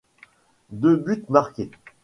Deux buts marqués.